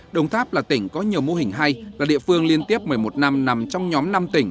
đồng tháp là tỉnh có nhiều mô hình hay là địa phương liên tiếp một mươi một năm nằm trong nhóm năm tỉnh